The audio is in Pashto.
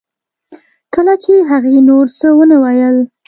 کله چې هغې نور څه ونه ویل